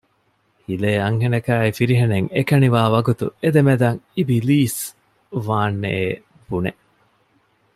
ހިލޭ އަންހެނަކާއި ފިރިހެނެއް އެކަނިވާ ވަގުތު އެދެމެދަށް އިބިލީސް ވާންނެއޭ ބުނެ